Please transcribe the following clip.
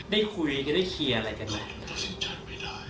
ได้คุยจะได้เคลียร์อะไรกันไหม